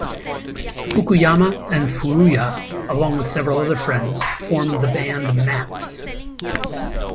Fukuyama and Furuya, along with several other friends formed the band Maps.